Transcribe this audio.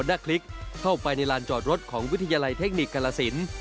หน้าคลิกเข้าไปในลานจอดรถของวิทยาลัยเทคนิคกรสิน